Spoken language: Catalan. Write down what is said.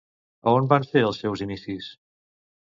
A on van ser els seus inicis?